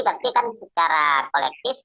tapi kan secara kolektif